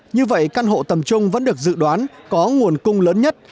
như vậy căn hộ tầm trung vẫn được dự đoán có nguồn cung lớn nhất